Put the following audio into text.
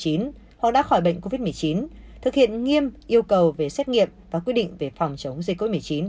họ đã khỏi bệnh covid một mươi chín thực hiện nghiêm yêu cầu về xét nghiệm và quy định về phòng chống dịch covid một mươi chín